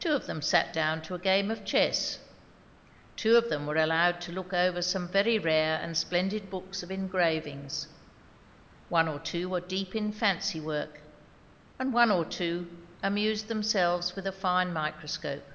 Two of them sat down to a game of chess; two of them were allowed to look over some very rare and splendid books of engravings; one or two were deep in fancy work, and one or two amused themselves with a fine microscope.